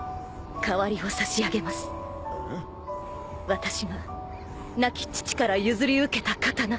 私が亡き父から譲り受けた刀